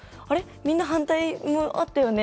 みんな反対もあったよね？